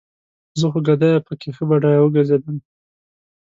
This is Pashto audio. زه خو ګدايه پکې ښه بډايه وګرځېدم